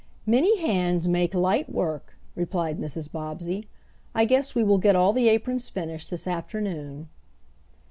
"Many hands make light work," replied Mrs. Bobbsey. "I guess we will get all the aprons finished this afternoon."